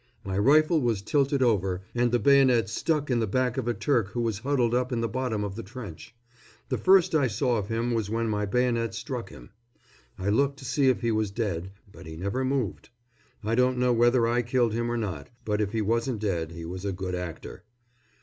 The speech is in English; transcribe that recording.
My rifle was tilted over and the bayonet stuck in the back of a Turk who was huddled up in the bottom of the trench. The first I saw of him was when my bayonet struck him. I looked to see if he was dead, but he never moved. I don't know whether I killed him or not, but if he wasn't dead he was a good actor.